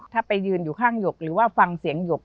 ถ้าไปยืนอยู่ข้างหยกหรือว่าฟังเสียงหยก